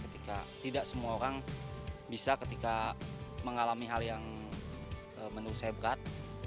ketika tidak semua orang bisa ketika mengalami hal yang menurut saya berat